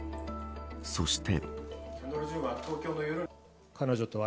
そして。